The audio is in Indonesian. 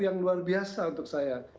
yang luar biasa untuk saya